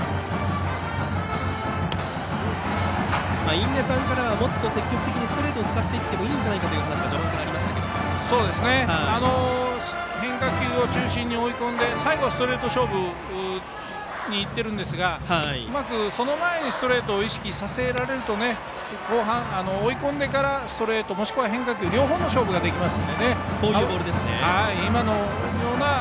印出さんからはもっと積極的にストレートを使ってもいいんじゃないかという話が変化球を中心に追い込んで最後はストレート勝負にいっているんですがその前にストレートを意識させられると後半、追い込んでからストレートもしくは変化球と両方の勝負ができますのでね。